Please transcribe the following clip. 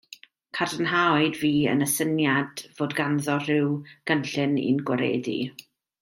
Cadarnhawyd fi yn y syniad fod ganddo ryw gynllun i'n gwaredu.